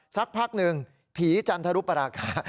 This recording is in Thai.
สักพักหนึ่งผีจันทรุปราคา